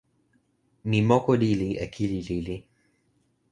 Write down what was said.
mi moku lili e kili lili.